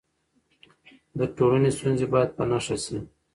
د ټولنې ستونزې باید په نښه سي.